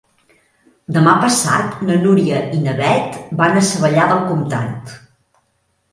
Demà passat na Núria i na Beth van a Savallà del Comtat.